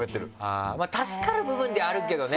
助かる部分ではあるけどね